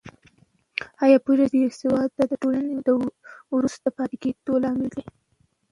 آیا پوهېږې چې بې سوادي د ټولنې د وروسته پاتې کېدو لامل ده؟